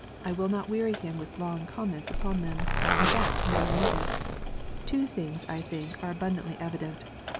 I will not weary him with long comments upon them. In fact none are needed. Two things, I think, are abundantly evident.